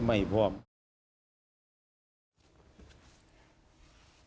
นี่แหละตรงนี้แหละ